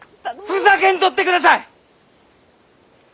ふざけんとってください！